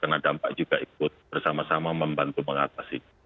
kena dampak juga ikut bersama sama membantu mengatasi